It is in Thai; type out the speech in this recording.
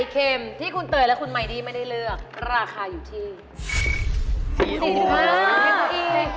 เค็มที่คุณเตยและคุณไมดี้ไม่ได้เลือกราคาอยู่ที่๔๕นาที